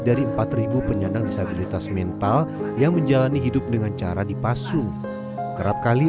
dari empat ribu penyandang disabilitas mental yang menjalani hidup dengan cara dipasung kerap kali